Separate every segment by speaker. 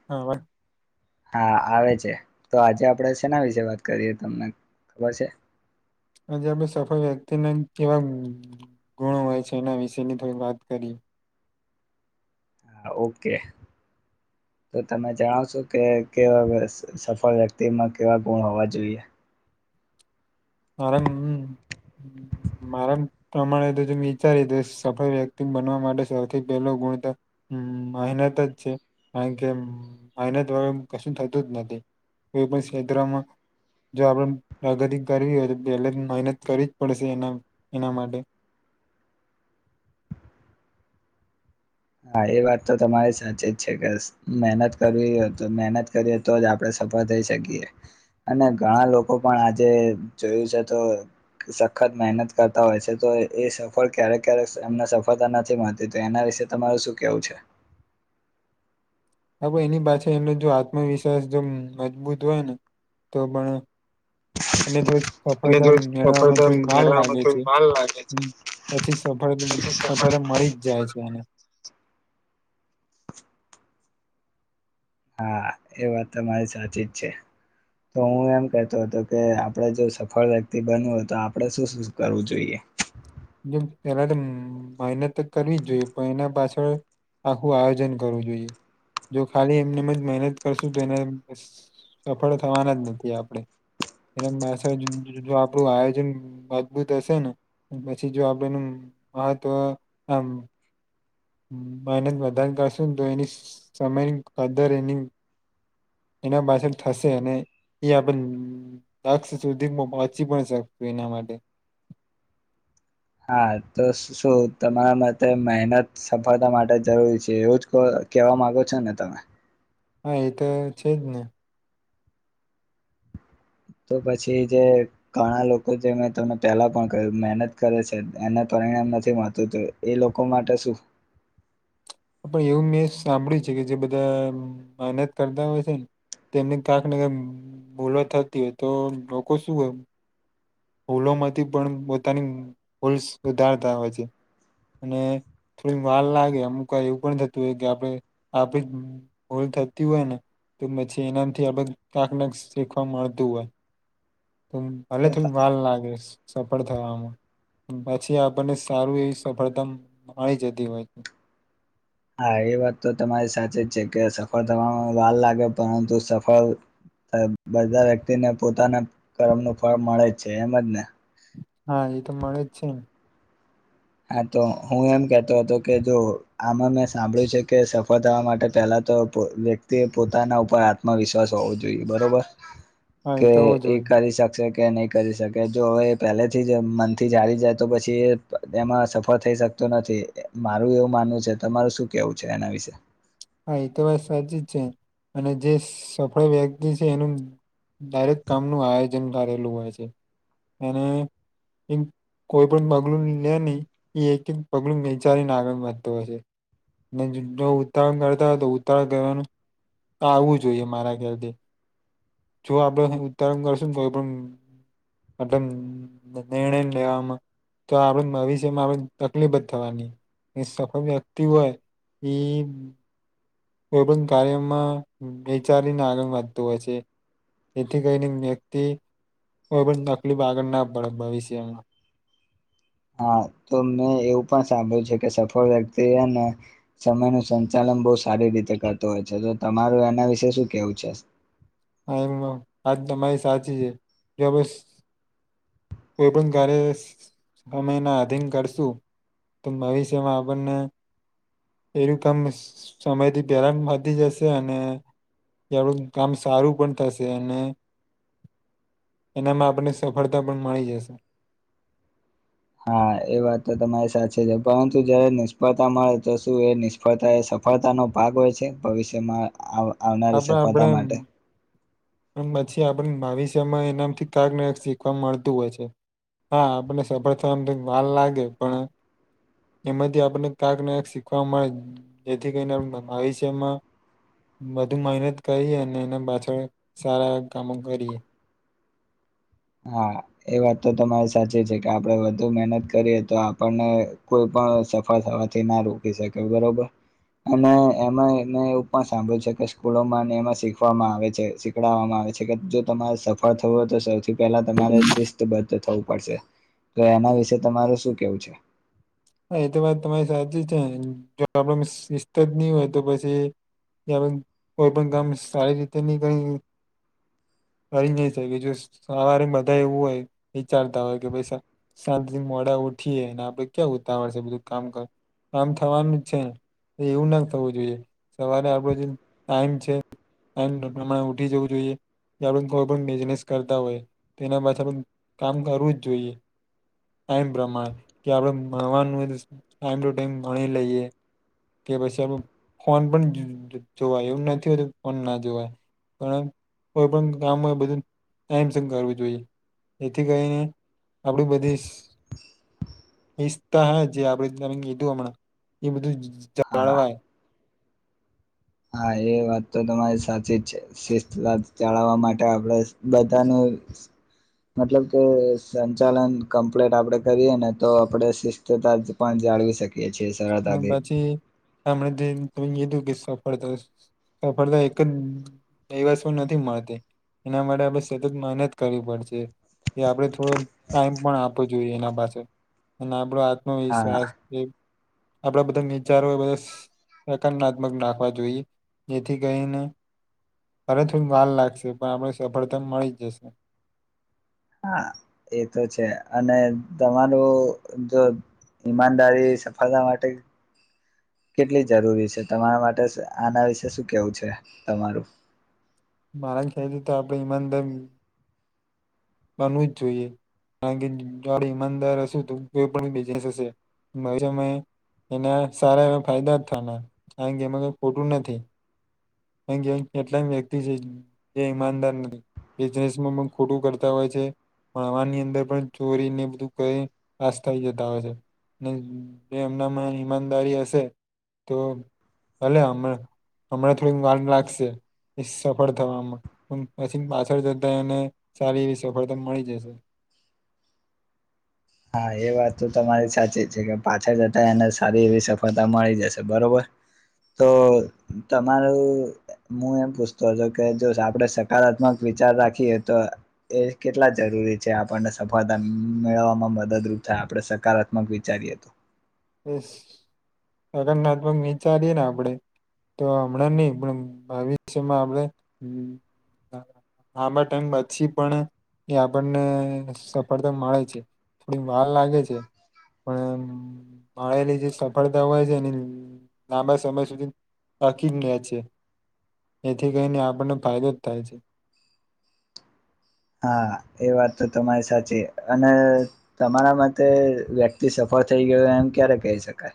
Speaker 1: [unintelligible]
Speaker 2: હા આવે છે. તો આજે આપણે સેના વિશે વાત કરીએ, તમને ખબર છે?
Speaker 1: આજે આપડે સફળ વ્યક્તિના કેવા ગુણો હોય છે. એના વિશેની થોડી વાત કરી
Speaker 2: હા ઓકે તો તમે જણો છો કે કેવા વસ સફળ વ્યક્તિમાં કેવા ગુણ હોવા જોઈએ?
Speaker 1: મરમ હ મરમ પ્રમાણે તો ત વિચારી તો સફળ વ્યક્તિ બનવા માટે સૌથી પહેલો ગુણ તો હમ મહેનત જ છે, કારણ કે મહેનત વગર કશું થતું જ નથી. કોઈ પણ ક્ષેત્રમાં જો આપણે પ્રગતિક કરવી હોય, પહેલે મહેનત કરવી જ પડશે એના એના માટે
Speaker 2: હા એ વાત તો તમારી સાચી જ છે, કે મહેનત કરવી હોય તો મહેનત કરી તો જ આપડણે સફળ થઈ શકીએ, અને ઘણા લોકો પણ આજે જોયુ છે, તો સખત મહેનત કરતા હોય છે. તો એ સફળ ક્યારેક ક્યારેક એમને સફળતા નથી મળતી તો એના વિશે તમારૂ શું કેવું છે.
Speaker 1: હ એની પાછે એનો જો આત્મવિશ્વાસ જો મજબૂત હોય ને તો પણ અને જો
Speaker 2: અને
Speaker 1: સફળતા
Speaker 2: જો
Speaker 1: મેળવવામાં
Speaker 2: સફળતા
Speaker 1: થોડી માલ
Speaker 2: મેળવવામાં
Speaker 1: લાગે છે.
Speaker 2: થોડી વાર લાગે છે
Speaker 1: હ પછી સફળ સફળ મળી જ જાય છે, એને
Speaker 2: હા એ વાત તમા મારી સાચી જ છે. તો હું એમ કતો હતો કે આપણેે જો સફળ વ્યક્તિ બનવ હોય. તો આપડે શું શું કરવું જોઈએ.
Speaker 1: પેલા તો મહેનત કરવી જ જોઈએ પણ એના પાછળ આખું આયોજન કરવુ જોઈએ. જો ખાલી એમનેજ મહેનત કરશુ તો એને સફળ થવાના જ નથી આપડે એ જો આપડું આયોજન મજબૂત હશે ને પછી જો આપડે નુ મહત્ત્વ એમ મહેનત વધારે કરશ ને તો એની સમયની કદર એની એના પાછળ થશે અને એયા પણ લક્ષ સુધી પહોંચી પણ શકુ એના માટે
Speaker 2: હા, તો શુ તમારા માટે મહેનત સફળતા માટે જરૂરી છે, એવુજ કહેવા માંગો છોને તમે
Speaker 1: હા, એ તો છેજ ને
Speaker 2: તો પછી જે ઘણા લોકો જે મે તને પહેલા પણ મહેનત કરે છે, એના પરિણામ નથી મળતુ તો એ લોકો માટે શુ
Speaker 1: પણ એવુ મેં સાંભળ્યુ છે, કે જે બધા મહેનત કરતા હોય, છેને. તેમની કાક ને ક ભોલો થતી હોય તો લોકો શું હોય. ભૂલો મથી પણ પોતાની ભૂલ સુધારતા હોય છે. અને થોડી વાર લાગે અમુક એવું પણ થતુ હોય, કે આપડ આપે ભૂલ થતી હોય, ને તો પછી એનાથી આપ કાંક શીખવા મળતું હોય. ભલે તુ વાર લાગેશ સફળ થવાવામા પછી આપણને સારુ એવી સફળતા મળી જતી હોય છે.
Speaker 2: હા, એ વાત તો તમારી સાચી જ છે, કે સફર થવામાં વાલ લાગે પરતુ સફ બધા વ્યક્તિને પોતાના કર્મનુ ફળ મળે છે, એમ જ ને
Speaker 1: હા, એ તો મળે જ છે.
Speaker 2: હા તો હુએમ કહેતો હતો કે જો આમાં મે સાંભળ્યું છે, કે સફળ થવા માટે પહેલા તો વ્યક્તિએ, પોતાના ઉપર આત્મવિશ્વાસ હોવો જોઈએ બરોબર
Speaker 1: હા
Speaker 2: કે
Speaker 1: તો હોવું
Speaker 2: એ
Speaker 1: જોઈએ
Speaker 2: કરી શક કે નહી કરી શકે જો હવે પહેથી મનથી જાળ જાય તો પછી એમાં સફળ થઈ શકતુ નથી મારુ એવું માનવુ છે તમારું શું કેવું છે, એના વિશે
Speaker 1: હા, એ તો વાત સાચી જ છે, અને જે સફળ વ્યક્તિ છે એનુ દરેક કામનુ આયોજન કરેલુ હોય છે, અને કોઈ પણ પગલુ લે નહી એ એક એક પગલું ચારીને આગળ વધતો હોય છે. જો ઉતાળણ કરતા હોય તો ઉતાવણ કરવાનું આવવું જોઈએ મારા ખ્યાલથી. જો આપડે ઉત્તારણ કરશુ નિર્ણય લેવામા તો આપડ ભવિષ્યમા આપ તકલીફ જ થવાની એ સફલ વ્યક્તિ હોય ઈ કોઈ પણ કાર્યમાં વિચારીને આગળ વધતો હોય છે. એથી કરીને વ્યક્તિ કોઈ પણ તકલીફ આગળના પડે ભવિષ્યમાં.
Speaker 2: હા, તો મેં એવું પણ સાંભળ્યું છે કે સફળ વ્યક્તિ હે ને સમય નું સંચાલન બો સારી રીતે કરતો હોય છે તો તમારું એના વિશે શું કેવું છે?
Speaker 1: હા, એમ આજ તમારી સાચી છે કે બસ કોઈપણ કાર્ય સમયના આધીન કરશું તો ભવિષ્યમાં આપણને એનું કામ સમય થી પહેલા વધી જશે અને તું કામ સારું પણ થશે અને એનામાં આપણને સફળતા પણ મળી જશે.
Speaker 2: હા, એ વાત તો તમારી સાચે છે પરંતુ જયારે નિષ્ફળતા મળે તો શું એ નિ સફળતા એ સફળતાનો ભાગ હોય છે ભવિષ્યમાં આવ આવનારી સફળતા માટે.
Speaker 1: પણ પછી આપણને ભાવિષ્યમાં એનામથી કાકને શીખવા મળતું હોય છે. હા, આપણને સફળ થવામાં તો વાલ લાગે પણ એમાંથી આપને કાકને શીખવા મળે જેથી કરીને ભવિષ્યમાં વધુ મહેનત કરી અને એના પાછળ સારા કામો કરીએ.
Speaker 2: હા. એ વાત તો તમારી સાચી છે કે આપડે વધુ મહેનત કરીએ તો આપણને કોઈ પણ થવાથી ના રોકી શકે બરોબર. અને એમાં એ એવું પણ સાંભળ્યું છે કે સ્કૂલોમાં એમાં શીખવામાં આવે છે શી પકડાવામાં આવે છે કે જો તમારે સફળ થવા હોય તો સૌથી પેલા તમારે શિસ્તબદ્ધ થવું પડશે તો એના વિશે તમાર શું કેવું છે?
Speaker 1: હા, એ તો વાત તમારી સાચી છે જો આપડામાં શિસ્ત ન હોય તો પછી ત કોઈ પણ ગામ સારી રીતે નની કઈ. કરી નહી શકે, જો સવારે બધા એવું હોય વિચારતા હોય કે, પૈસા સાાંજથી મોડા ઉઠીએ, આપડે ક્યાં ઉતાવળ છે, બધું કામ કર કામ થવાનું છે. એવું ના થવું જોઈએ, સવારે આપડો જે ટાઈમ છે. એમ ઉઠી જવું જોઈએ. આપણે કોઈ પણ બિઝનેસ કરતા હોય તો, એના પાછળળ કામ કરવું જ જોઈએ. ટમ પ્રમાણે કે, આપણે મળવાનું ટાઈમ ટુ ટાઈમ ભણી લઈએ કે પછી આપણે ફોન પણ જોવાય એવું નથી હોતું, ફોન ના જોવાય. પણ કોઈ પણ કામ હોય, બધું ટાઈમસ કરવું જોઈએ. એથી ગઈને આપડી બધી. ઈતા હે, જે આપે તમે કીધું હમણાં એ બધું
Speaker 2: હા
Speaker 1: જાળવાય.
Speaker 2: હા, એ વાત તો તમારી સાચી જ છે. ચલાવવા માટે આપડે બધાનું. મતલબ કે, સંચાલન કમ્પ્લીટ આપણેે કરીએ ને, તો આપણેે સ તો ત પાંજ આળવી શકે.
Speaker 1: અને પછી હમણા તમે કીધું કે, સફર થ પડે તો એક. એ વસ્તુ નથી મળતી, એના માટે આપણે સતત મહેનત કરવી પડશે. એ આપડે થોડો ટાઈમ પણ આપવો જોઈએ, એના પાસે અને આપડો નો
Speaker 2: હા
Speaker 1: વિશ્વાસ આપણા બધા વિચારો બધા. પ્રકારરનાત્મક નાખવા જોઈએ, જેથી કરીને. અરે થોડી વાર લાગશે, પણ આપડે સફળતાને મળી જશે.
Speaker 2: હા, એ તો છે, અને તમારું જો ઈમાનદારી સફળતા માટે. કેટલી જરૂરી છે, તમારા માટે આના વિશે શું કેવું છે તમારું?
Speaker 1: મારા ખ્યા તો આપડે ઈમાનદમ. બનવું જ જોઈએ. કારણ કે જોડે ઈમાનદાર હશું, તો કોઈ પણ બિઝનેસ હશે વિષય. એના સારા એવા ફાયદા જ થવાના કારણ કે એમાં કાંઈ ખોટું નથી. કેમ કે એટલા જ વ્યક્તિ છે જે ઈમાનદાર નહીં. બિઝનેસમાં પણ ખોટું કરતા હોય છે. ભણવાની અંદર પણ ચોરીને બધું કરી પાસ થઇ જતા હોય છે. ને એમના માં ઈમાનદારી હશે તો ભલે હમણા હમણાં થોડી વાર લાગશે. સફળ થવામાં પછી પાછળ જતા એને સારી એવી સફળતા મળી જશે.
Speaker 2: હા એ વાત તો તમારી સાચી છે કે પાછળ જતા એને સારી એવી સફળતા મળી જશે બરોબર. તો તમારું હું એમ પૂછતો હતો કે જો આપડે સકારાત્મક વિચાર રાખીએ તો એ કેટલા જરૂરી છે આપણને સફળતા મેળવવામાં મદ મદદરૂપ થાય આપણે સકારાત્મક વિચારીએ તો?
Speaker 1: હકારાત્મક વિચારીએ ને આપડે તો હમણાં નહી પણ ભવિષ્યમાં આપડે હહ લાંબા ટાઈમ પછી પણ એ આપણને સફળતા મળે છે. થોડી વાર લાગે છે. પણ મળેલી જે સફળતા હોય છે એની લાંબા સમય સુધી ટકી જ ને છે. એથી કહીને આપણને ફાયદો જ થાય છે.
Speaker 2: હા એ વાત તો તમારી સાચી. અને તમારા મતે વ્યક્તિ સફળ થઈ ગયો એમ ક્યારે કહી શકાય?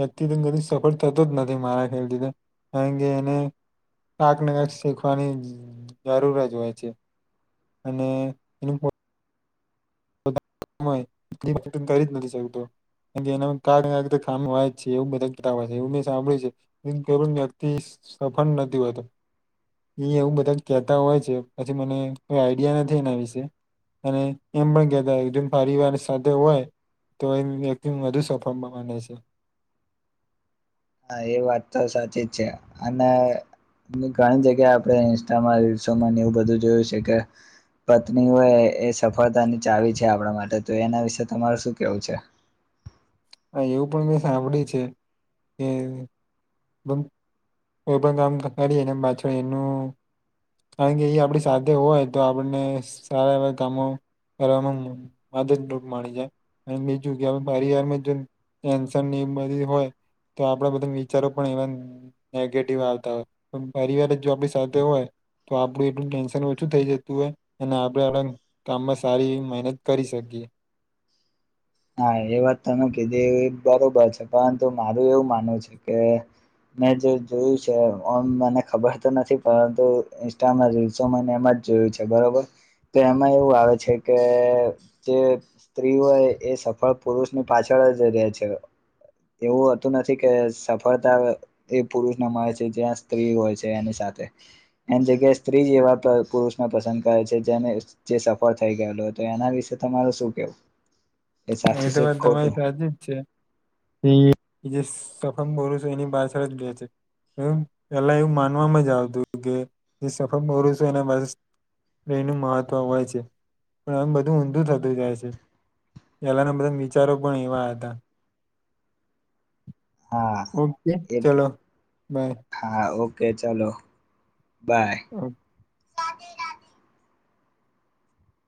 Speaker 1: વ્યક્તિ કદી સફળ થતો જ નથી મારા ખ્યાલથી તો કારણ કે એને કાક ને કાક શીખવાની જરૂર જ હોય છે. અને એનું પોત નું હોય [inaudible] કરી જ નથી શકતો. કાર કે એના કાક ને કાક તો ખામી હોય છે એવું બધા કેતા હોય છે એવું મેં સાંભળ્યું છે. કર વ્યક્તિ સફન નથી હોતો. એ એવું બધા જ કેહેતા હોય છે. પછી મને કોઈ આઈડિયા નથી એના વિશે. અને એમ પણ કેતા હોય જેમ પરિવાર સાથે હોય તો એમ વ્યક્તિ વધુ સફળ માને છે.
Speaker 2: હા એ વાત તો સાચી જ છે. અને ઘણી જગ્યાએ આપણે ઇન્સ્ટામાં, રીલસોમાં ને એવું બધું જોયું છે કે પત્ની હોય એ સફળતાની ચાવી છે આપણા માટે તો એના વિશે તમાર શું કેવું છે?
Speaker 1: હા એવું પણ મેં સાંભળ્યું છે કે કોઈ પણ કામ કરી એને પાછળ એનું કારણ કે એ આપડી સાથે હોય તો આપણને સારા એવા કામો કરવામાં મ મદદરૂપ મળી જાય. અને બીજું કે પરિવારમાં ટેન્શનને એ બધી હોય તો આપણા બધા વિચારો પણ એવા નેગેટિવ આવતા હોય. પણ પરિવાર જ જો આપણી સાથે હોય તો આપડું એટલું ટેન્શન ઓછું થઈ જતું હોય અને આપડે કામમાં સારી એવી મહેનત કરી શકીએ.
Speaker 2: હા એ વાત તમે કીધી એ બરોબર છે. પરંતુ મારું એવું માનવું છે કે મેં જે જોયું છે ઓમ મને ખબર તો નથી પરંતુ ઈન્સ્ટામાં, રીલ્સોમાં ને એમાં જોયું છે બરોબર. તો એમાં એવું આવે છે કે જે સ્ત્રીઓએ એ સફળ પુરુષની પાછળ જ રહેે છે. એવું હોતું નથી કે સફળતા એ પુરુષ ના મળે છે. જ્યાં સ્ત્રી હોય છે એની સાથે. એની જગ્યાએ સ્ત્રી જેવા પુરુષને પસંદ કરે છે જેને જે સફળ થઈ ગયેલો તો એના વિશે તમારું શું કેવું? એ
Speaker 1: હા
Speaker 2: સાચું
Speaker 1: એતો
Speaker 2: છે કે
Speaker 1: વાત
Speaker 2: ખોટું
Speaker 1: તમારી સાચી જ છે. એ જે સફમ બોરૂ છે એની બછળ જ લે છે એ પેલા એવું માનવામાં જ આવતું કે જે સફર મોરું છું એને બસ એનું મહત્વ હોય છે પણ એમ બધું ઊંધું થતું જાય છે પેલાના બધા વિચારો પણ એવા હતા
Speaker 2: હા
Speaker 1: ઓકે ચલો
Speaker 2: એટલું
Speaker 1: બાય
Speaker 2: હા ઓકે ચાલો બાય
Speaker 1: હમ્મ